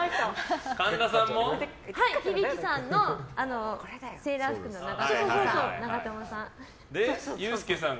響さんのセーラー服の長友さん。